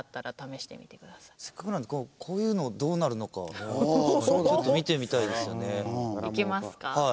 せっかくなんでこういうのどうなるのかちょっと見てみたいですよね。